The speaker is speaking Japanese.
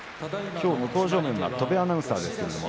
今日、向正面は戸部アナウンサーです。